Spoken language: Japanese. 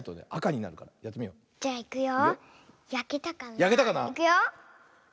いくよ。